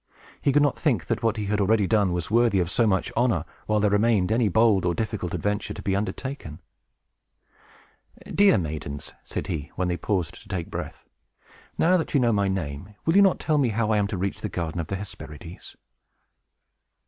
He could not think that what he had already done was worthy of so much honor, while there remained any bold or difficult adventure to be undertaken. "Dear maidens," said he, when they paused to take breath, "now that you know my name, will you not tell me how I am to reach the garden of the Hesperides?"